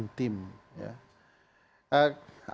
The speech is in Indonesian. ini kejahatan tim